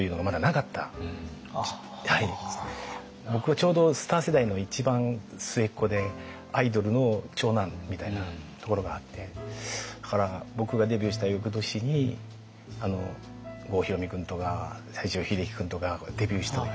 僕はちょうどスター世代の一番末っ子でアイドルの長男みたいなところがあってだから僕がデビューした翌年に郷ひろみ君とか西城秀樹君とかがデビューした時は。